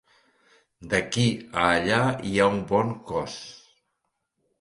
D'aquí a allà hi ha un bon cos.